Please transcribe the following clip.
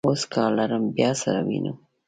اوس کار لرم، بیا سره وینو.